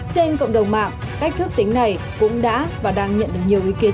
trên cộng đồng mạng cách thức tính này cũng đã và đang nhận được nhiều ý kiến